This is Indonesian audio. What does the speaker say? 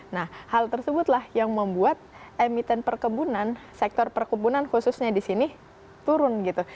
nah hal tersebutlah yang membuat emiten perkebunan sektor perkebunan khususnya di sini turun gitu